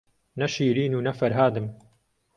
نە شیرین و نە فەرهادم